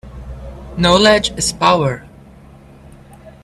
Knowledge is power